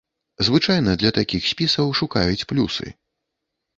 Звычайна для такіх спісаў шукаюць плюсы.